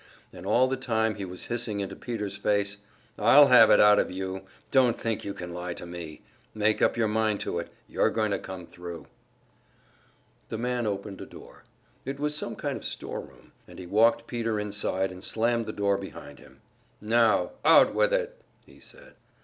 And all the time he was hissing into Peter's face: "I'll have it out of you! Don't think you can lie to me! Make up your mind to it, you're going to come thru!" The man opened a door. It was some kind of storeroom, and he walked Peter inside and slammed the door behind him. "Now, out with it!" he said.